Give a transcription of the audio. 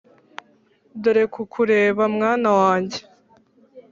dore kukureba, mwana wanjye.